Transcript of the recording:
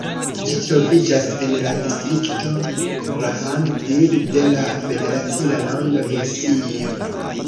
Ĝi troviĝas en la distrikto Lahn-Dill de la federacia lando Hesio.